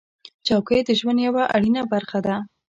چوکۍ د ژوند یوه اړینه برخه ده.